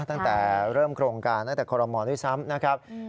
ตั้งแต่เริ่มโครงการตั้งแต่คอรมอลด้วยซ้ำนะครับ